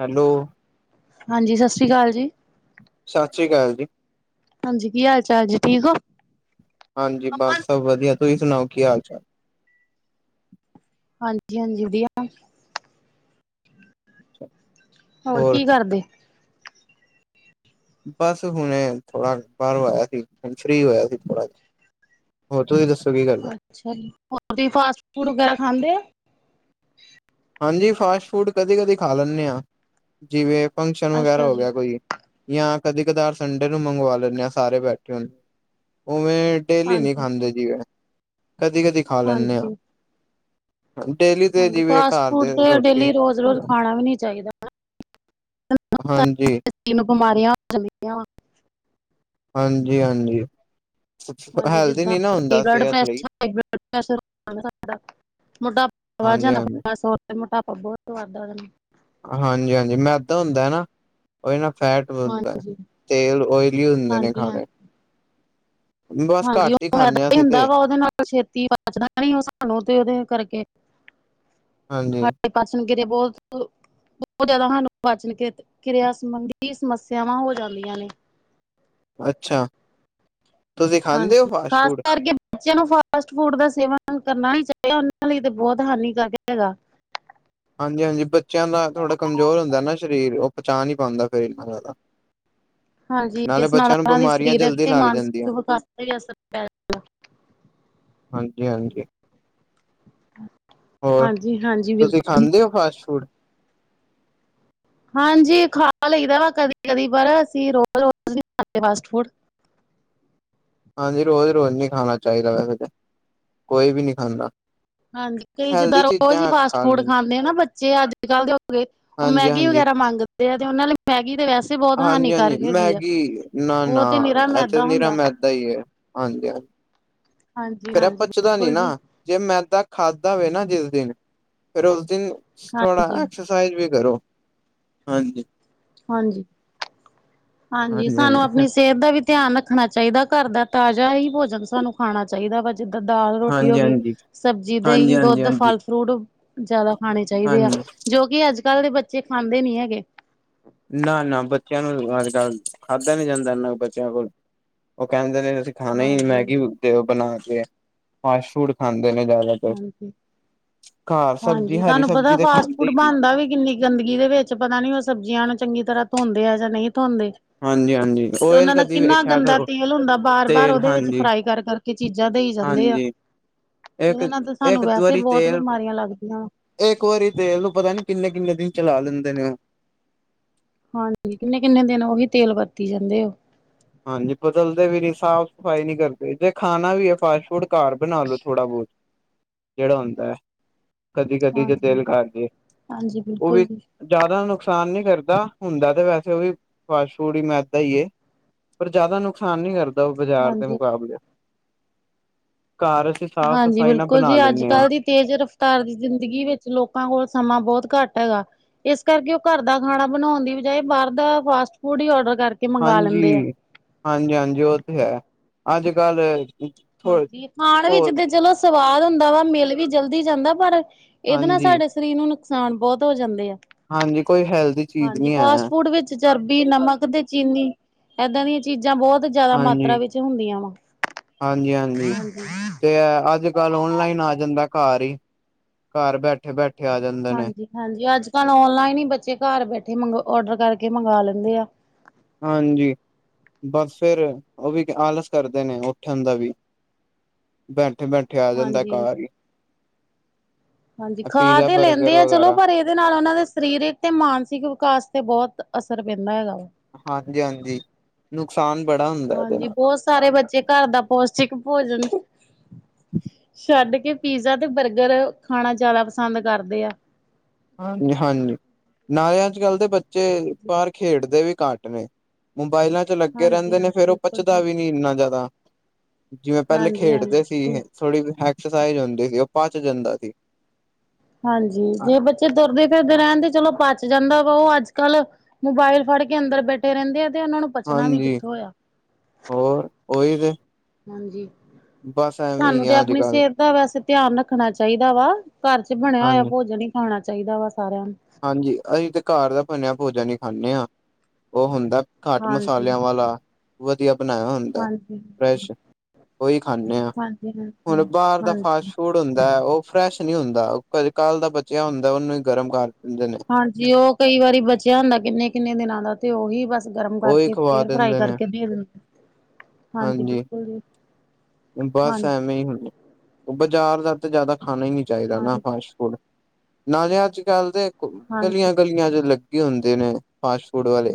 Hello, ਹਾਂਜੀ ਸਤਿ ਸ੍ਰੀ ਅਕਾਲ ਜੀ ਸਤਿ ਸ਼੍ਰੀ ਅਕਾਲ ਜੀ। ਹਾਂਜੀ, ਕੀ ਹਾਲ ਚਾਲ ਜੇ? ਠੀਕ ੳ। ਹਾਂਜੀ ਬਸ ਸਭ ਵਧੀਆ, ਤੁਸੀ ਸੁਨਾਓ, ਕੀ ਹਾਲ ਚਾਲ? ਹਾਂਜੀ, ਹਾਂਜੀ ਵਧੀਆ। [inaudible] ਹੋਰ ਕੀ ਕਰਦੇ? ਬਸ ਹੁਨੇ ਥੋੜਾ ਬਾਰੋਂ ਆਏਆ ਸੀ। ਹੁਨ ਫ੍ਰੀ ਹੋਏਆ ਸੀ ਥੋੜਾ ਜਾ ਹੋਰ, ਤੁਸੀ ਦੱਸੋ ਕੀ ਕਰਦੇ? ਚਲੋ, ਹੋਰ ਜੀ ਫਾਸਟ ਫੂਡ ਵਗੈਰਾ ਖਾਂਦੇ ੳ? ਹਾਂਜੀ, ਫਾਸਟ ਫੂਡ ਕਦੀ-ਕਦੀ ਖਾ ਲੈਂਨੇ ਆ, ਜਿਵੇਂ ਫੰਕਸ਼ਨ ਵਗੈਰਾ ਅੱਛਾ ਹੋ ਜੀ ਗਿਆ ਕੋਈ। ਯਾ ਕਦੀ ਕਦਾਰ ਸੰਡੇ ਨੂੰ ਮੰਗਵਾ ਲੈਂਨੇ ਆ, ਸਾਰੇ ਬੈਠੇ ਹੂੰਨੇ, ਉਵੇਂ ਡੇਲੀ ਨਈ ਹਾਂਜੀ ਖਾਂਦੇ ਜਿਵੇਂ, ਕਦੀ-ਕਦੀ ਖਾ ਲੈਂਨੇ ਆ। ਹਾਂਜੀ ਡੇਲੀ ਤੇ ਹਾਂਜੀ ਜਿਵੇਂ ਫਾਸਟ ਘਰ ਫੂਡ ਦੇ ਤੇ ਰੋਟੀ ਡੇਲੀ ਰੋਜ-ਰੋਜ ਖਾਨਾ ਵੀ ਨੀ ਚਾਈਦਾ। ਹਾਂਜੀ। ਕਿੰਨੀ ਬੀਮਾਰੀਆਂ ਫੈਲੀ ਦੀਆਂ ਵਾ। ਹਾਂਜੀ-ਹਾਂਜੀ। [unintelligible] ਮੋਟਾਪਾ ਸਿਹਤ ਲਈ ਵਧ ਹਾਂਜੀ ਜਾਂਦਾ, ਹਾਂਜੀ ਹੋਰ ਬਸ ਹੋਰ ਨੀ, ਮੋਟਾਪਾ ਬੋਤ ਵਧ ਆ ਜਾਂਦਾ। ਹਾਂਜੀ, ਹਾਂਜੀ ਮੈਦਾ ਹੁੰਦਾ ਏ ਨਾ। ੳਈ ਨਾ ਫੈਟ ਵਧਦਾ। ਹਾਂਜੀ ਤੇਲ ਓਇਲੀ ਹੁੰਦੇ ਨੇ ਹਾਂਜੀ ਹਾਂ ਖਾਨੇ। ਹਾਂਜੀ, ਉਹ ਖਾਂਦੇ ਹਾਂ ਮੈਦਾ ਹੀ ਅਸੀਂ ਤੇ ਹੁੰਦਾ ਵਾ, ੳਦੇ ਨਾਲ ਛੇਤੀ ਪਚਦਾ ਨੀ, ੳ ਸਾਨੂੰ ਤੇ ੳਦੇ ਕਰਕੇ ਹਾਂਜੀ। ਸਾਡੇ ਪਾਚਨ ਕਿਰਤਾਂ ਬੋਤ ਬਹੁਤ ਜਾਦਾ ਸਾਨੂੰ ਪਾਚਨ ਕਿ ਕਿਰਆ ਸੰਬੰਧੀ ਸਮੱਸਆਵਾਂ ਹੋ ਜਾਂਦੀਆਂ ਨੇ। ਅੱਛਾ, ਤੁਸੀ ਖਾਂਦੇ ੳ ਫਾਸਟ ਫੂਡ? ਬੱਚੇਆਂ ਨੂੰ ਫਾਸਟ ਫੂਡ ਦਾ ਸੇਵਨ ਕਰਨਾ ਨਈ ਚਾਈਦਾ, ੳਨਾਂ ਲਈ ਤੇ ਬੋਤ ਹਾਨੀਕਾਰਕ ਹੈਗਾ। ਹਾਂਜੀ, ਹਾਂਜੀ ਬੱਚੇਆਂ ਦਾ ਥੋੜਾ ਕਮਜੋਰ ਹੁੰਦਾ ਨਾ ਸਰੀਰ, ੳਹ ਪਚਾ ਨੀ ਪਾਂਦਾ ਫੇਰ ਏਨਾ ਜਾਦਾ। [inaudible] ਹਾਂਜੀ, ਇਸ ਨਾਲ ੳਨਾ ਦੀ ਸਰੀਰਕ ਤੇ ਮਾਨਸਿਕ ਜਾਂਦੀਆਂ ਵਿਕਾਸ ਤੇ ਅਸਰ ਪੇ ਜਾਂਦਾ। ਹਾਂਜੀ ਹਾਂਜੀ। ਹੋਰ ਹਾਂਜੀ-ਹਾਂਜੀ, ਬਿਲਕੁਲ। ਤੁਸੀਂ ਖਾਂਦੇ ਹੋ ਫਾਸਟ ਫੂਡ? ਹਾਂਜੀ ਖਾ ਲਈਦਾ ਵਾ ਕਦੀ- ਕਦੀ ਪਰ ਅਸੀਂ ਰੋ ਰੋਜ਼ ਨੀ ਖਾਂ ਫਾਸਟ ਫੂਡ। ਹਾਂਜੀ ਰੋਜ਼- ਰੋਜ਼ ਨੀ ਖਾਣਾ ਚਾਹੀਦਾ ਵੈਸੇ ਤੇ, ਕੋਈ ਵੀ ਨੀ ਖਾਂਦਾ। ਹਾਂਜੀ ਕਈ ਹੈਲਦੀ ਜਿੱਦਾਂ ਰੋਜ਼ ਈ ਚੀਜ਼ਾਂ ਫਾਸਟ ਖਾ ਫੂਡ ਲੈਣੀ। ਖਾਂਦੇ ਨਾ ਬੱਚੇ ਆ- ਅੱਜ ਕੱਲ ਦੇ ਹੋ ਗਏ ਉਹ ਹਾਂਜੀ ਮੈਗੀ ਹਾਂਜੀ ਵਗੈਰਾ ਮੰਗਦੇ ਆ ਤੇ ਉਹਨਾਂ ਨੇ ਮੈਗੀ ਤੇ ਵੈਸੇ ਬਹੁਤ ਹਾਂਜੀ- ਹਾਂਜੀ ਹਾਨੀਕਾਰਕ ਹੈਗੀ ਆ ਮੈਗੀ ਨਾ- ਉਹ ਨਾ ਤੇ ਨਿਰਾ ਏ ਤੇ ਮੈਦਾ ਨੀਰਾ ਹੁੰਦਾ ਮੈਦਾ ਈ ਐ ਹਾਂਜੀ ਹਾ। ਹਾਂਜੀ ਫੇਰ ਐ ਹਾਂਜੀ ਪੱਚਦਾ ਨੀ ਬਿਲਕੁਲ ਨਾ। ਜੀ ਜੇ ਮੈਦਾ ਖਾਧਾ ਹੋਵੇ ਨਾ ਜਿਸ ਦਿਨ, ਫੇਰ ਉਸ ਦਿਨ ਥੋੜਾ ਹਾਂਜੀ ਐਕ ਸਾਈਜ਼ ਵੀ ਕਰੋ। ਹਾਂਜੀ। ਹਾਂਜੀ- ਹਾਂਜੀ ਸਾਨੂੰ ਆਪਣੀ ਸਿਹਤ ਦਾ ਵੀ। ਧਿਆਨ ਰੱਖਣਾ ਚਾਹੀਦਾ ਘਰ ਦਾ ਤਾਜ਼ਾ ਹੀ ਭੋਜਨ ਸਾਨੂੰ ਖਾਣਾ ਚਾਹੀਦਾ ਵਾ ਜਿੱਦਾਂ ਦਾਲ ਰੋਟੀ ਹੋ ਹਾਂਜੀ ਹਾਂਜੀ ਗਈ। ਹਾਂਜੀ ਸਬਜ਼ੀ, ਦਹੀਂ, ਹਾਂਜੀ ਦੁੱਧ, ਹਾਂਜੀ ਫਲ ਫਰੂਟ ਜਾ਼ਦਾ ਖਾਣੇ ਚਾਹੀਦੇ ਆ ਹਾਂਜੀ ਜੋ ਕਿ ਅੱਜ ਕੱਲ ਦੇ ਬੱਚੇ ਖਾਂਦੇ ਨੀ ਹੈਗੇ। ਅੱ ਨਾ- ਨਾ ਬੱਚਿਆਂ ਨੂੰ ਅੱਜ ਕੱਲ ਖਾਧਾ ਨੀ ਜਾਂਦਾ ਇੰਨਾ ਕੁ ਬੱਚਿਆਂ ਕੋਲ ਉਹ ਕਹਿੰਦੇ ਨੇ ਅਸੀਂ ਖਾਣਾ ਹੀ ਹਾਂਜੀ ਮੈਗੀ ਉਹ ਕ ਬਣਾ ਕੇ ਏ ਫਾਸਟ ਫੂਡ ਖਾਂਦੇ ਨੇ ਜਾ਼ਦਾ। ਹਾਂਜੀ, ਸਬਜ਼ੀ ਹਾਂਜੀ ਹਰੀ ਤੁਹਾਨੂੰ ਸਬਜ਼ੀ ਪਤਾ ਤੇ ਫਾਸਟ ਖਾਂਦੇ ਫੂਡ ਹੀ ਨੀ ਬਣਦਾ ਵੀ ਕਿੰਨੀ ਗੰਦਗੀ ਦੇ ਵਿੱਚ ਪਤਾ ਨੀ ਉਹ ਸਬਜ਼ੀਆਂ ਨੂੰ ਚੰਗੀ ਤਰਾਂ ਧੋਂਦੇ ਹੈ ਜਾਂ ਨਹੀਂ ਧੋਂਦੇ। ਹਾਂਜੀ ਹਾਂਜੀ ਤੇ ਓਇਲ ਉਹਨਾਂ ਦਾ ਕਦੀ ਕਿੰਨਾ ਵੇਖਿਆ ਗੰਦਾ ਕਰੋ ਤੇਲ ਹੁੰਦਾ ਬਾਰ- ਬਾਰ ਤੇਲ ਉਹਦੇ ਵਿੱਚ ਹਾਂਜੀ ਫਰਾਈ ਕਰ- ਕਰ- ਕੇ ਚੀਜ਼ਾਂ ਦੇਈ ਜਾਂਦੇ ਆ। ਹਾਂਜੀ ਇੱਕ, ਉਹਦੇ ਨਾਲ ਤਾਂ ਸਾਨੂੰ ਇੱਕ ਵੈਸੇ ਦਵਾਰੀ ਬਹੁਤ ਤੇਲ ਬਿਮਾਰੀਆਂ ਲੱਗਦੀਆਂ ਵਾ। ਇੱਕ ਵਾਰੀ ਤੇਲ ਨੂੰ ਪਤਾ ਨੀ ਕਿੰਨੇ- ਕਿੰਨੇ ਦਿਨ ਚਲਾ ਲੈਂਦੇ ਨੇ ਉਹ। ਹਾਂਜੀ ਕਿੰਨੇ- ਕਿੰਨੇ ਦਿਨ ਉਹੀ ਤੇਲ ਵਰਤੀ ਜਾਂਦੇ ਆ। ਹਾਂਜੀ ਬਦਲਦੇ ਵੀ ਨੀ ਸਾਫ਼ ਸਫ਼ਾਈ ਨੀ ਕਰਦੇ ਜੇ ਖਾਣਾ ਵੀ ਐ ਫਾਸਟ ਫੂਡ ਘਾਰ ਬਣਾ ਲੋ ਥੋੜਾ ਬਹੁਤ, ਜਿਹੜਾ ਹੁੰਦਾ ਐ। ਕਦੀ- ਕਦੀ ਜੇ ਹਾਂਜੀ। ਦਿਲ ਕਰ ਜੇ, ਹਾਂਜੀ ਉਹ ਬਿਲਕੁਲ ਵੀ ਜੀ ਜਾਦਾ ਨੁਕਸਾਨ ਨੀ ਕਰਦਾ ਹੁੰਦਾ ਤੇ ਵੈਸੇ ਉਹ ਵੀ ਫਾਸਟ ਫੂਡ ਈ ਮੈਦਾ ਈ ਏ ਪਰ ਜਾਦਾ ਨੁਕਸਾਨ ਨੀ ਕਰਦਾ ਉਹ ਬਾਜ਼ਾਰ ਦੇ ਹਾਂਜੀ। ਮੁਕਾਬਲੇ, ਕਾਰ ਹਾਂਜੀ ਬਿਲਕੁਲ ਜੀ ਅੱਜ ਕੱਲ ਦੀ ਤੇਜ਼ ਰਫਤਾਰ ਦੀ ਜ਼ਿੰਦਗੀ ਵਿੱਚ ਲੋਕਾਂ ਕੋਲ ਸਮਾਂ ਬੋਤ ਘੱਟ ਹੈਗਾ। ਇਸ ਕਰਕੇ ਉ ਘਰ ਦਾ ਖਾਣਾ ਬਣਾਉਣ ਦੀ ਬਜਾਏ ਬਾਹਰ ਦਾ ਫਾਸਟ ਫੂਡ ਈ ਔਡਰ ਕਰ। ਹਾਂਜੀ, ਹਾਂਜੀ- ਹਾਂਜੀ ਉ ਤੇ ਹੈ ਅੱਜ ਕੱਲ ਥੋ ਹਾਂਜੀ ਖਾਣ ਕੋ ਵਿੱਚ ਤੇ ਚਲੋ ਸਵਾਦ ਹੁੰਦਾ ਵਾ ਮਿਲ ਵੀ ਜਲਦੀ ਜਾਂਦਾ ਪਰ ਇਹਦੇ ਨਾਲ ਹਾਂਜੀ ਸਾਡੇ ਸਰੀਰ ਨੂੰ ਨੁਕਸਾਨ ਬੋਤ ਹੋ ਜਾਂਦੇ ਐ। ਹਾਂਜੀ ਕੋਈ ਹੈਲਦੀ- ਚੀਜ਼ ਹਾਂਜੀ ਨਹੀਂ ਹੈ ਫਾਸਟ ਫੂਡ ਵਿੱਚ ਚਰਬੀ, ਨਮਕ ਤੇ ਚੀਨੀ ਏਦਾਂ ਦੀਆਂ ਚੀਜ਼ਾਂ ਬੋਤ ਜਾਦਾ ਹਾਂਜੀ ਮਾਤਰਾ ਵਿੱਚ ਹੁੰਦੀਆਂ ਵਾ, ਹਾਂਜੀ। ਤੇ ਏ ਆ ਅੱਜ ਕੱਲ ਔਨਲਾਈਨ ਆ ਜਾਂਦਾ ਘਾਰ ਈ, ਘਰ ਬੈਠੇ- ਬੈਠੇ। ਆ ਜਾਂਦੇ ਨੇ ਹਾਂਜੀ- ਹਾਂਜੀ ਅੱਜ ਕੱਲ ਔਨਲਾਈਨ ਈ ਬੱਚੇ ਘਰ ਬੈਠੇ ਮੰਗ ਔਡਰ ਕਰਕੇ ਮੰਗਵਾ ਲੈਂਦੇ ਆ। ਹਾਂਜੀ ਬਸ ਫੇਰ ਉਹ ਵੀ ਆਲਸ ਕਰਦੇ ਨੇ ਉੱਠਣ ਦਾ ਵੀ। ਬੈਠੇ- ਬੈਠੇ ਆ ਜਾਂਦਾ ਏ ਹਾਂਜੀ ਘਾਰ ਈ। ਹਾਂਜੀ ਖਾ ਤੇ ਬਰਗਰ ਲੈਂਦੇ ਆ ਚਲੋ ਵਗੈਰਾ ਪਰ ਇਹ ਇਹਦੇ ਨਾਲ ਉਹਨਾਂ ਦੇ ਸਰੀਰਿਕ ਤੇ ਮਾਨਸਿਕ ਵਿਕਾਸ ਤੇ ਬਹੋਤ ਅਸਰ ਪੈਂਦਾ ਹੈਗਾ ਵਾ। ਹਾਂਜੀ ਹਾਂਜੀ। ਨੁਕਸਾਨ ਬੜਾ ਹੁੰਦ ਹਾਂਜੀ। ਬੋਤ ਸਾਰੇ ਬੱਚੇ ਘਰ ਦਾ ਪੋਸ਼ਟਿਕ ਭੋਜਨ ਛੱਡ ਕੇ ਪੀਜ਼ਾ ਤੇ ਬਰਗਰ ਖਾਣਾ ਜਾਦਾ ਪਸੰਦ ਕਰਦੇ ਆ। ਹਾਂਜੀ। ਨਾਲੇ ਅੱਜ-ਕੱਲ ਦੇ ਬੱਚੇ ਬਾਰ ਖੇਡਦੇ ਵੀ ਘੱਟ ਨੇ। ਮੋਬਾਇਲਾਂ ਚ ਲੱਗੇ ਹਾਂਜੀ ਰੈਂਦੇ ਨੇ ਹਾਂਜੀ ਫੇਰ ਓ ਬਿਲਕੁਲ ਪੱਚਦਾ ਜੀ। ਵੀ ਨੀ ਇੰਨਾ ਜਾਦਾ। ਜਿਵੇਂ ਪੈਲੇ ਹਾਂਜੀ ਹਾਂਜੀ ਖੇਡਦੇ ਬਿਲਕੁਲ। ਸੀ। ਥੋੜੀ ਐਕਸਰਸਾਈਜ਼ ਹੁੰਦੀ ਸੀ, ਓ ਪਚ ਜਾਂਦਾ ਸੀ। ਹਾਂਜੀ। ਜੇ ਬੱਚੇ ਤੁਰਦੇ ਫਿਰਦੇ ਰੈਣ ਤੇ ਚਲੋ ਪਚ ਜਾਂਦਾ ਵਾ। ਓ ਅੱਜ-ਕੱਲ ਮੋਬਾਇਲ ਫੜ ਕੇ ਅੰਦਰ ਬੈਠੇ ਰੈਂਦੇ ਆ ਤੇ ਓਨਾਂ ਨੂੰ ਪਚਣਾ ਵੀ ਹਾਂਜੀ। ਕਿੱਥੋਂ ਆ। ਹੋਰ ਔਈ ਤੇ। ਹਾਂਜੀ। ਬਸ ਐਵੇਂ ਸਾਨੂੰ ਹੀ ਤੇ ਆ ਅੱਜ ਅਪਣੀ ਕੱਲ ਸੇਤ ਦਾ ਵੈਸੇ ਧੇਆਨ ਰੱਖਣਾ ਚਾਈਦਾ ਵਾ। ਘਰ ਚ ਬਣੇਆ ਹੋਏਆ ਹਾਂਜੀ। ਭੋਜਨ ਈ ਖਾਣਾ ਚਾਈਦਾ ਵਾ ਸਾਰੇਆਂ ਨੂੰ। ਹਾਂਜੀ। ਅਹੀ ਤੇ ਘਰ ਦਾ ਬਨੇਆ ਭੋਜਨ ਈ ਖਾਂਨੇ ਆਂ। ਓ ਹੁੰਦਾ ਘੱਟ ਹਾਂਜੀ। ਮਸਾਲੇਆਂ ਵਾਲਾ ਵਧੀਆ ਬਨਾਯਾ ਹੋਂ ਦਾ ਐ ਹਾਂਜੀ, ਫ੍ਰੇਸ਼ ਓਈ ਖਾਂਨੇ ਆਂ। ਹਾਂਜੀ, ਹੁਨ ਹਾਂਜੀ, ਬਾਰ ਦਾ ਹਾਂਜੀ। ਫਾਸਟ ਫੂਡ ਹੁੰਦਾ ਐ। ਓ ਫਰੈਸ਼ ਨੀ ਹੁੰਦਾ ਓ ਕ ਕੱਲ ਦਾ ਬਚੇਆ ਹੁੰਦਾ ਓਨੂੰ ਈ ਗਰਮ ਕਰ ਦੇਂਦੇ ਨੇ। ਹਾਂਜੀ। ਓ ਕਈ ਵਾਰੀ ਬਚੇਆ ਹੁੰਦਾ ਕਿੰਨੇ ਕਿੰਨੇ ਦਿਨਾਂ ਦਾ ਤੇ ਓਹੀ ਬਸ ਗਰਮ ਉਹੀ ਕਰਕੇ ਖਵਾ ਫੇਰ ਫਰਾਈ ਦਿੰਦੇ ਨੇ ਕਰਕੇ ਦੇ ਦੇਂ। ਹਾਂਜੀ ਬਿਲਕੁਲ ਜੀ। ਬਸ ਹਾਂਜੀ ਐਵੇਂ ਈ ਹੁੰ। ਬਜਾਰ ਦਾ ਤੇ ਜਾਦਾ ਖਾਨਾ ਈ ਨੀ ਚਾਈਦਾ ਨਾ ਹਾਂਜੀ ਫਾਸ ਫੂਡ। ਨਾਲੇ ਅੱਜ-ਕੱਲ ਤੇ ਹਾਂਜੀ ਗਲੀਆਂ ਗਲੀਆਂ ਚ ਲਗ ਗੇ ਹੁੰਦੇ ਨੇ ਫਾਸਟ ਫੂਡ ਵਾਲੇ।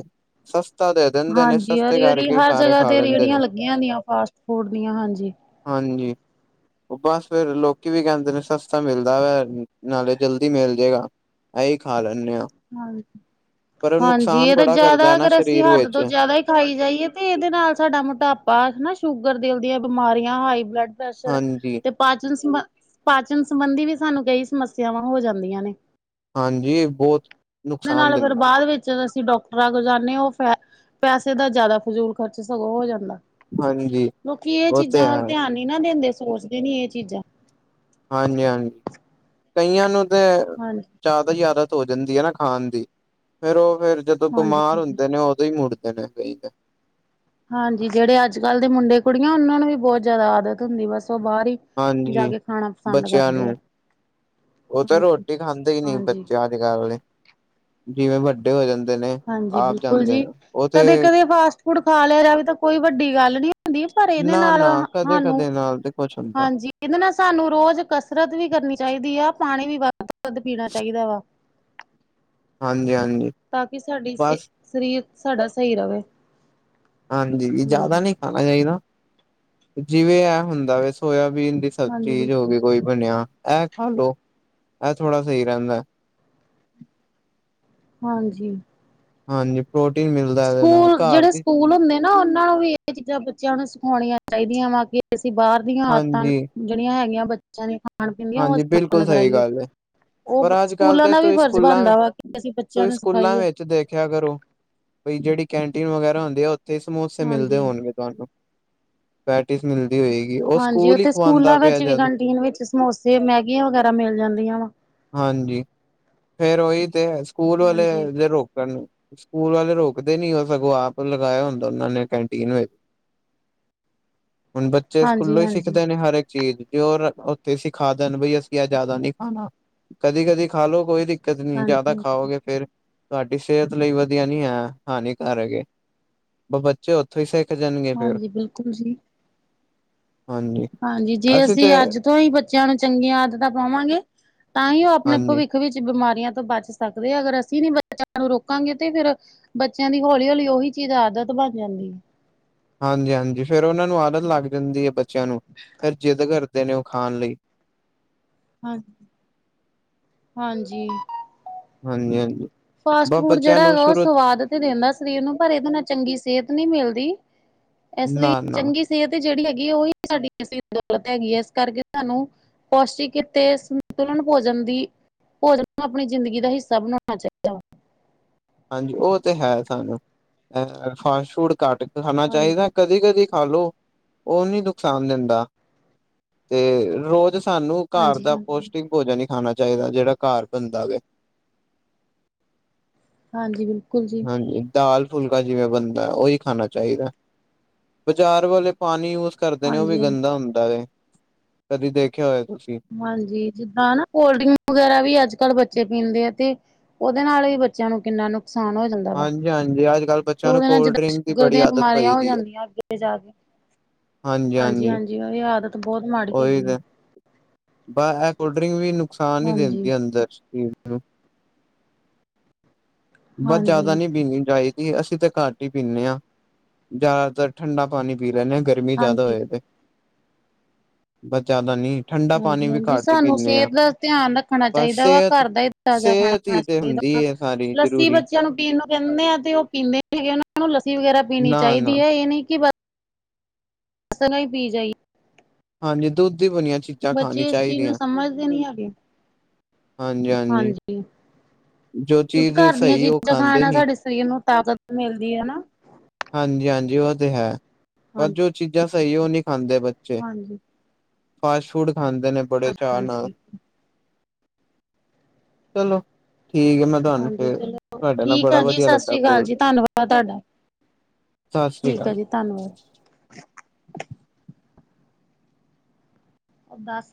ਸਸਤਾ ਦੇ ਦੇਂਦੇ ਨੇ। ਸਸਤੇ ਕਰਕੇ ਸਾਰੇ ਖਾ ਲੈਂਦੇ ਨੇ। ਦੀਆਂ ਦਾ ਫਾਸਟ ਫੂਡ ਦੀਆਂ ਹਾਂਜੀ। ਹਾਂਜੀ। ਓ ਬਸ ਫੇਰ ਲੋਕੀ ਵੀ ਕੈਂਦੇ ਨੇ ਸਸਤਾ ਮਿਲਦਾ ਪੈ ਨਾਲੇ ਜਲਦੀ ਮਿਲ ਜੇਗਾ ਐਈ ਖਾ ਲੈਂਨੇ ਆਂ। ਹਾਂ ਹਾਂਜੀ। ਏ ਤੇ ਬੜਾ ਜਾਦਾ ਕਰਦਾ ਨਾ ਅਗਰ ਅਸੀ ਸਰੀਰ ਹੱਦ ਵਿੱਚ ਤੋਂ ਜਾਦਾ ਈ ਖਾਈ ਜਾਈਏ ਤੇ ਏਦੇ ਨਾਲ ਸਾਡਾ ਮੋਟਾਪਾ ਹਨਾ ਸ਼ੂਗਰ, ਦਿਲ ਦੀਆਂ ਬਿਮਾਰੀਆਂ, ਹਾਈ ਬਲੱਡ ਹਾਂਜੀ ਤੇ ਪਾਚਨ ਸਬੰ ਪਾਚਨ ਸੰਬੰਧੀ ਵੀ ਸਾਨੂੰ ਕਈ ਸਮੱਸੇਆਵਾਂ ਹੋ ਜਾਂਦੀਆਂ ਨੇ। ਹਾਂਜੀ। ਬੋਤ ਓਦੇ ਨਾਲ ਫੇਰ ਬਾਦ ਵਿੱਚ ਜਦ ਅਸੀ ਡਾਕਟਰਾਂ ਕੋ ਜਾਂਨੇ ਓ ਫੈ ਪੈਸੇ ਦਾ ਜਾਦਾ ਫਜੂਲ ਖਰਚ ਸਗੋਂ ਹੋ ਜਾਂਦਾ। ਹਾਂਜੀ ਲੋਕੀ ਏ ਉਹ ਤੇ ਚੀਜਾਂ ਵੱਲ ਹੈ ਧਿਆਨ ਨੀ ਨਾ ਦੇਂਦੇ ਸੋਚਦੇ ਨੀ ਏ ਚੀਜਾਂ। ਹਾਂਜੀ ਹਾਂਜੀ। ਕਈਆਂ ਨੂੰ ਤੇ ਹਾਂਜੀ ਜਾਦਾ ਈ ਆਦਤ ਹੋ ਜਾਂਦੀ ਐ ਨਾ ਖਾਨ ਦੀ। ਫੇਰ ਓ ਫੇਰ ਜਦੋਂ ਹਾਂਜੀ ਬਮਾਰ ਹਾਂਜੀ ਹੁੰਦੇ ਨੇ ਓਦੋਂ ਈ ਮੁੜਦੇ। ਨਾ ਗਈਦਾ। ਹਾਂਜੀ। ਜੇੜੇ ਅੱਜ-ਕੱਲ ਦੇ ਮੁੰਡੇ ਕੁੜੀਆਂ ਓਨਾਂ ਨੂੰ ਵੀ ਬੋਤ ਜਾਦਾ ਆਦਤ ਹੁੰਦੀ। ਬਸ ਓ ਬਾਰ ਈ ਹਾਂਜੀ, ਬੱਚੇਆਂ ਨੂੰ। ਓ ਤਾਂ ਹਾਂਜੀ ਰੋਟੀ ਖਾਂਦੇ ਹਨ ਨੀ ਹਾਂਜੀ ਬੱਚੇ ਅ ਜਿਵੇਂ ਵੱਡੇ ਹੋ ਜਾਂਦੇ ਨੇ। ਹਾਂਜੀ ਆਪ ਜਾਂਦੇ ਨੇ ਓ ਤੇ ਹੁਣ ਖਾ ਲੇਆ ਤਾ ਵੀ ਤਾਂ ਕੋਈ ਵੱਡੀ ਗੱਲ ਨੀ। ਹੁੰਦੀ। ਪਰ ਏਦੇ ਨਾ ਨਾਲ ਨਾ ਕਦੇ ਸਾਨੂੰ ਕਦੇ ਨਾਲ ਤੇ ਕੁਛ ਹੁੰਦਾ ਹਾਂਜੀ। ਕੇਂਦੇ ਨਾ ਸਾਨੂੰ ਰੋਜ ਕਸਰਤ ਵੀ ਕਰਨੀ ਚਾਈਦੀ ਆ। ਪਾਣੀ ਵੀ ਵੱਧ ਵੱਧ ਪੀਣਾ ਚਾਈਦਾ ਵਾ। ਹਾਂਜੀ ਹਾਂਜੀ। ਤਾਂ ਕਿ ਸਾਡੀ ਸ ਬਸ ਸਰੀਰ ਸਾਡਾ ਸਈ ਰਵੇ। ਹਾਂਜੀ। ਜਾਦਾ ਨੀ ਖਾਨਾ ਚਾਈਦਾ। ਜਿਵੇਂ ਐ ਹੁੰਦਾ ਵੇ ਸੋਏਆਬੀਨ ਦੀ ਹਾਂਜੀ ਸਬਜੀ ਜੋ ਬਿਲਕੁਲ। ਹੋਗੀ ਕੋਈ ਬਨੇਆ। ਐ ਖਾ ਲੋੋ, ਐ ਥੋੜਾ ਸਈ ਰੈਂਦਾ ਐ। ਹਾਂਜੀ। ਹਾਂਜੀ ਪ੍ਰੋਟੀਨ ਮਿਲਦਾ ਇਹਦੇ ਨਾਲ ਸਕੂਲ ਘਰ ਜਿਹੜੇ ਦੀ ਸਕੂਲ ਹੁੰਦੇ ਨਾ ਉਹਨਾਂ ਨੂੰ ਵੀ ਇਹ ਚੀਜ਼ਾਂ ਬੱਚਿਆਂ ਨੂੰ ਸਿਖਾਉਣੀਆਂ ਚਾਹੀਦੀਆਂ ਵਾ ਕਿ ਅਸੀਂ ਬਾਹਰ ਦੀਆਂ ਆਦਤਾਂ ਹਾਂਜੀ ਜਿਹੜੀਆਂ ਹੈਗੀਆਂ ਬੱਚਿਆਂ ਦੀਆਂ ਖਾਣ ਪੀਣ ਦੀਆਂ ਉਹ ਹਾਂਜੀ ਅਸੀਂ ਬਿਲਕੁਲ ਬੰਦ ਸਹੀ ਕਰਾਈਏ। ਗੱਲ ਹੈ ਉਹ ਬ ਪਰ ਅੱਜ ਕੱਲ ਸਕੂਲਾਂ ਤੇ ਦਾ ਵੀ ਤੁਸੀਂ ਫਰਜ਼ ਸਕੂਲਾਂ ਬਣਦਾ ਵਾ ਕਿ ਅਸੀਂ ਬੱਚਿਆਂ ਤੁਸੀਂ ਨੂੰ ਸਿਖਾਈਏ। ਪਈ ਜਿਹੜੀ ਕੈਂਟੀਨ ਵਗੈਰਾ ਹੁੰਦੀ ਆ ਉੱਥੇ ਸਮੋਸੇ ਮਿਲਦੇ ਹਾਂਜੀ। ਹੋਣਗੇ ਤੁਹਾਨੂੰ ਪੈਟੀਜ ਮਿਲਦੀ ਹੋਏਗੀ ਉਹ ਸਕੂਲ ਹੀ ਖਵਾਉਂਦਾ ਪਿਆ ਜਦ ਚੀਨ ਵਿੱਚ ਸਮੋਸੇ, ਮੈਗੀਆਂ ਵਗੈਰਾ ਮਿਲ ਜਾਂਦੀਆਂ ਵਾ ਹਾਂਜੀ, ਫੇਰ ਓਹੀ ਤੇ ਆ, ਸਕੂਲ ਵਾਲੇ ਹਾਂਜੀ। ਜ਼ੇ ਰੋਕਣ ਸਕੂਲ ਵਾਲੇ ਰੋਕਦੇ ਨੀ ਓ ਸਗੋਂ ਆਪ ਲਗਾਇਆ ਹੁੰਦਾ ਓਨਾਂ ਨੇ ਕੈਂਟੀਨ ਵਿੱਚ ਹੁਣ ਬੱਚੇ ਸਕੂਲੋਂ ਹੀ ਹਾਂਜੀ-ਹਾਂਜੀ। ਸਿੱਖਦੇ ਨੇ ਹਰ ਇੱਕ ਚੀਜ਼ ਜੋ ਉਥੇ ਸਿੱ ਖਾ ਦੇਣ ਬਈ ਅਸੀਂ ਐ ਜ਼ਿਆਦਾ ਨਈ ਖਾਣਾ, ਕਦੀ- ਕਦੀ ਖਾ ਲੋ ਕੋਈ ਕਤਨੀ ਹਾਂਜੀ, ਜਿਆਦਾ ਹਾਂਜੀ ਖਾਓਗੇ ਫੇਰ ਤੁਹਾਡੀ ਸਿਹਤ ਲਈ ਵਦੀਆਂ ਨਈ ਐ, ਹਾਨੀਕਾਰਕ ਐ, ਓਹ ਬ ਚੇ ਉਥੋਂ ਈ ਸਿੱਖ ਜਾਣਗੇ ਫੇਰ, ਹਾਂਜੀ ਬਿਲਕੁਲ ਜੀ। ਹਾਂਜੀ ਹਾਂਜੀ ਜੇ ਅਸੀਂ ਅਸੀ ਤੇ ਅੱਜ ਤੋਂ ਹੀ ਬੱਚਿਆਂ ਨੂੰ ਚੰਗੀਆਂ ਆਦਤਾਂ ਪਾਵਾਂਗੇ ਤਾਂ ਈ ਓ ਆਪਣੇ ਹਾਂਜੀ। ਭਵਿੱਖ ਵਿੱਚ ਬਿਮਾਰੀਆਂ ਤੋਂ ਬਚ ਸਕਦੇ ਅਗਰ ਅਸੀ ਨਈ ਬੱਚਿਆਂ ਨੂੰ ਰੋਕਾਂਗੇ ਤੇ ਫਿਰ ਬੱਚਿਆਂ ਦੀ ਹੌਲੀ- ਹੌਲੀ ਉਹੀ ਚੀਜ਼ ਆਦਤ ਬਣ ਜਾਂਦੀ ਹਾਂਜੀ-ਹਾਂਜੀ ਫੇਰ ਓਨਾਂ ਨੂੰ ਆਦਤ ਲੱਗ ਜਾਂਦੀ ਐ ਬੱਚਿਆਂ ਨੂੰ [inaudible] ਫਿਰ ਜਿੱਦ ਕਰਦੇ ਨੇ ਓ ਖਾਣ ਲਈ ਹਾਂ ਹਾਂਜੀ। ਹਾਂਜੀ- ਹਾਂਜੀ। ਫਾਸਟ ਫੂਡ ਜਿਹੜਾ ਹੈਗਾ ਓ ਸਵਾਦ ਤੇ ਦਿੰਦਾ ਸਰੀਰ ਨੂੰ ਪਰ ਇਹਦੇ ਨਾਲ ਚੰਗੀ ਸਿਹਤ ਨਈ ਮਿਲਦੀ। ਇਸ ਲਈ ਨਾ- ਨਾ ਚੰਗੀ ਸਿਹਤ ਜਿਹੜੀ ਹੈਗੀ ਉਹੀ ਸਾਡੀ ਅਸਲੀ ਦੌਲਤ ਹੈਗੀ ਐ ਇਸ ਕਰਕੇ ਸਾਨੂੰ ਪੌਸ਼ਟਿਕ ਤੇ ਸੰਤੁਲਨ ਭੋਜਨ ਦੀ, ਭੋਜਨ ਨੂੰ ਆਪਣੀ ਜ਼ਿੰਦਗੀ ਦਾ ਹਿੱਸਾ ਬਣਾਉਣਾ ਚਾਹੀਦਾ। ਦਾ ਹਾਂਜੀ ਓ ਤਾਂ ਹੈ ਸਾਨੂੰ, ਅ ਫਾਸਟ ਫੂਡ ਘੱਟ ਖਾਣਾ ਹਾਂਜੀ ਚਾਹੀਦਾ ਕਦੀ- ਕਦੀ ਹੈਲੋ, ਓਨੀ ਨੁਕਸਾਨ ਦਿੰਦਾ, ਤੇ ਰੋਜ਼ ਸਾਨੂੰ ਘਰ ਹਾਂਜੀ ਦਾ ਹਾਂਜੀ ਪੋਸ਼ਟਿਕ ਭੋਜਨ ਹੀ ਖਾਣਾ ਚਾਈਦ, ਜੇੜਾ ਘਰ ਬਣਦਾ ਵੇ ਹਾਂਜੀ ਬਿਲਕੁਲ ਜੀ। ਦਾਲ ਫੁਲਕਾ ਜਿਵੇਂ ਬਣਦਾ ਓਹੀ ਖਾਣਾ ਚਾਇਦਾ, ਬਾਜ਼ਾਰ ਵਾਲੇ ਪਾਣੀ ਉਸ ਕਰਦੇ ਨੇ ਓ ਵੀ ਹਾਂਜੀ ਹਾਂ ਗੰਦਾ ਹੁੰਦਾ ਏ, ਕਦੀ ਦੇਖਿਆ ਹੋਏ ਤੁਸੀ ਹਾਂਜੀ ਜਿਦਾ ਨਾ ਕੋਲਡ ਡਰਿੰਕ ਵਗੈਰਾ ਵੀ ਅੱਜ ਕੱਲ -ਬੱਚੇ ਪੀਂਦੇ ਆ ਤੇ ਓਦੇ ਨਾਲ ਵੀ ਬੱਚਿਆਂ ਨੂੰ ਕਿੰਨਾ ਨੁਕਸਾਨ ਹੋ ਹੂਦਾ ਵਾ, ਹਾਂਜੀ-ਹਾਂਜੀ, ਅੱਜ-ਕੱਲ੍ਹ ਤੇ ਬੱਚਿਆਂ ਨੂੰ ਓਦੇ ਨਾਲ ਕੋਲਡ ਜਿੱਦਾਂ ਡਰਿੰਕ ਦੀ ਸ਼ੂਗਰ ਬੜੀ ਦੀਆਂ ਆਦਤ ਬਮਾਰੀਆਂ ਪਈ ਹੋ ਦੀ ਹੈ। ਜਾਂਦੀਆਂ ਅੱਗੇ ਜਾ ਕੇ ਹਾਂਜੀ-ਹਾਂਜੀ ਇਹ ਆਦਤ ਬੋਤ ਮਾੜੀ ਉਹੀ ਹੈਗੀ ਐ। ਤੇ ਬ ਇਹ ਕੋਲਡ ਡਰਿੰਕ ਵੀ ਨੁਕਸਾਨ ਈ ਹਾਂਜੀ ਦਿੰਦੀ ਅੰਦਰ ਸ਼ਰੀਰ ਨੂੰ ਬਸ ਜ਼ਿਆਦਾ ਹਾਂਜੀ ਨਈ ਪੀਣੀ ਚਾਇ ਦੀ, ਅਸੀ ਤਾਂ ਘਟ ਈ ਪੀਂਨੇ ਆ, ਜ਼ਿਆਦਾਤਰ ਠੰਡਾ ਪਾਣੀ ਪੀ ਲੈਂਦੇ ਆ ਗਰ ਰਮੀ ਜ਼ਿਆਦਾ ਹਾਂਜੀ ਹੋਏ, ਤੇ ਬਸ ਜ਼ਿਆਦਾ ਨੀ ਠੰਡਾ ਪਾਣੀ ਵੀ ਹਾਂਜੀ-ਹਾਂਜੀ ਘੱਟ ਹੀ ਸਾਨੂੰ ਪੀਂਦੇ ਹਾਂ, ਸੇਹਤ ਦਾ ਧਿਆਨ ਰੱਖਣਾ ਬਸ ਚਾਇਦਾ ਵਾ ਸਿਹਤ ਘਰ ਦਾ ਈ ਤਾਜਾ ਸਿਹਤ ਹੀ ਖਾਣਾ ਤੇ ਹੁੰਦੀ [unintelligible] ਹੈ ਸਾਰੀ ਲੱਸੀ ਜ਼ਰੂਰੀ, ਬੱਚੇਆਂ ਨੂੰ ਪੀਣ ਨੂੰ ਕਹਿੰਦੇ ਆ ਤੇ ਓ ਪੀਂਦੇ ਹੈਗੇ ਓ ਨੂੰ ਲੱਸੀ ਵਗੈਰਾ ਪੀਣੀ ਨਾ-ਨਾ। ਚਾਇਦੀ ਐ ਇਹ ਨਈ ਕਿ ਰਸਣਾ ਈ ਪੀ ਜਾਈ ਹਾਂਜੀ ਦੁੱਧ ਈ ਬਣੀਆਂ ਚੀਜ਼ਾਂ ਖਾਣੀ ਬੱਚੇ ਇਸ ਚੀਜ਼ ਨੂੰ ਚਾਹੀਦੀਆਂ, ਸਮਝਦੇ ਨੀ ਹੈਗੇ ਹਾਂਜੀ-ਹਾਂਜੀ। ਹਾਂਜੀ, ਜੋ ਕਿਓਕਿ ਚੀਜ਼ ਘਰ ਦੀਆਂ ਸਹੀ ਉਹ ਚੀਜ਼ਾਂ ਖਾਂਦੇ ਖਾਣ ਨੀ, ਸਾਡੇ ਸਰੀਰ ਨੂੰ ਤਾਕਤ ਮਿਲਦੀ ਐ ਨਾ ਹਾਂਜੀ-ਹਾਂਜੀ ਓ ਤੇ ਹੈ, ਪਰ ਹਾਂਜੀ, ਜੋ ਚੀਜ਼ਾਂ ਸਹੀ ਐ ਓ ਨਈ ਖਾਂਦੇ ਬੱਚੇ ਹਾਂਜੀ, ਫਾਸਟ ਫੂਡ ਖਾਂਦੇ ਨੇ ਬੜੇ ਚਾਅ ਨਾਲ ਹਾਂਜੀ, ਚਲੋ ਠੀਕ ਐ ਮੈਂ ਤੁਹਾਨੂੰ ਹਾਂਜੀ ਫਿਰ ਚਲੋ ਤੁਹਾਡੇ ਨਾਲ ਠੀਕ ਆ ਬੜਾ ਜੀ ਵਧੀਆ ਲੱਗਾ ਸਸਿਰੀ ਕਾਲ ਕੋਲ ਜੀ ਧੰਨਵਾਦ ਧੰਨਵਾਦ ਤੁਹਾਡਾ, ਸਤਿ ਸ੍ਰੀ ਠੀਕ ਅਕਾਲ ਆ ਜੀ ਧੰਨਵਾਦ [inaudible]